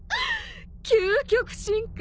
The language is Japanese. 究極進化？